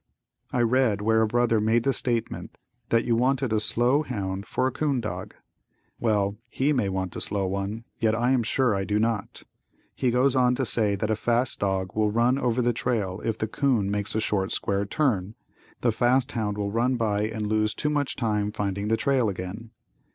I read where a brother made the statement that you wanted a slow hound for a 'coon dog. Well, he may want a slow one, yet I am sure I do not. He goes on to say that a fast dog will run over the trail if the 'coon makes a short or square turn, the fast hound will run by and lose too much time finding the trail again.